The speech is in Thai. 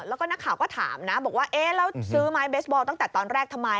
แล้วก็นักข่าวก็ถามนะบอกว่าเอ๊ะแล้วซื้อไม้เบสบอลตั้งแต่ตอนแรกทำไม